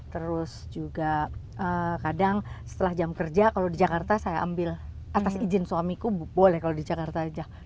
terus juga kadang setelah jam kerja kalau di jakarta saya ambil atas izin suamiku boleh kalau di jakarta aja